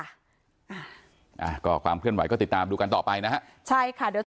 อ่าก็ความเคลื่อนไหวก็ติดตามดูกันต่อไปนะฮะใช่ค่ะเดี๋ยว